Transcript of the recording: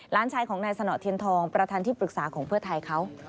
ล้านชายของนายสนเทียนทองประธานที่ปรึกษาของเพื่อไทยเขา